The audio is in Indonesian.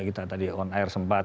kita tadi on air sempat